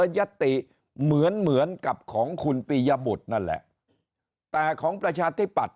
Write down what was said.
ยัตติเหมือนเหมือนกับของคุณปียบุตรนั่นแหละแต่ของประชาธิปัตย